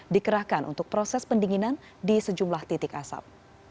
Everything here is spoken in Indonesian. dikerahkan untuk proses pendinginan di sejumlah titik asap